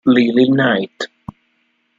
Lily Knight